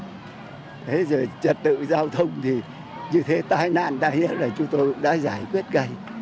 thế giờ trật tự giao thông thì như thế tai nạn này là chúng tôi đã giải quyết ngay